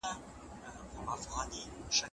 سياسي ځواک څنګه په ټولنه کي وېشل کېږي؟